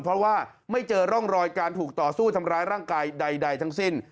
เพราะว่าไม่เจอร่องรอยการถูกต่อสู้ทำร้ายร่างกายใดทั้งสิ้น